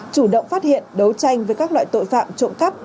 chủ động phát hiện đấu tranh với các loại tội phạm trộm cắp